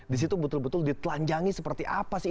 di situ betul betul ditelanjangi seperti apa sih